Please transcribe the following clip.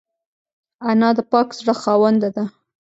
انا د پاک زړه خاونده ده